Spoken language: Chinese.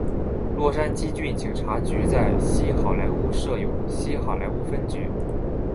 洛杉矶郡警察局在西好莱坞设有西好莱坞分局。